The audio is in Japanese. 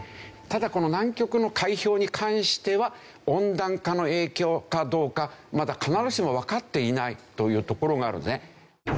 ただこの南極の海氷に関しては温暖化の影響かどうかまだ必ずしもわかっていないというところがあるんですね。